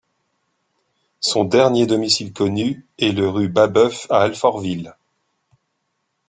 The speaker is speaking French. Son dernier domicile connu est le rue Babeuf à Alfortville.